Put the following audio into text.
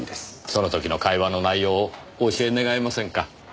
その時の会話の内容をお教え願えませんか？